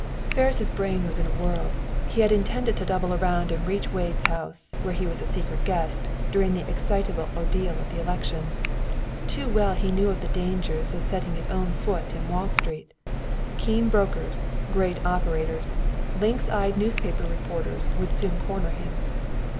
Ferris' brain was in a whirl. He had intended to double around and reach Wade's house, where he was a secret guest, during the excitable ordeal of the election. Too well he knew the dangers of setting his own foot in Wall Street. Keen brokers, great operators, lynx eyed newspaper reporters would soon corner him.